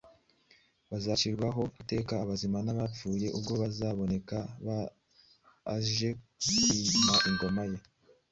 uzaciraho iteka abazima n’abapfuye, ubwo azaboneka aje kwima ingoma ye.